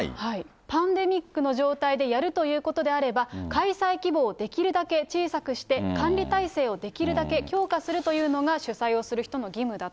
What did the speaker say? パンデミックの状態でやるということであれば、開催規模をできるだけ小さくして、管理体制をできるだけ強化するというのが、主催をする人の義務だと。